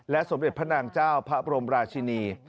สมเด็จพระนางเจ้าพระบรมราชินี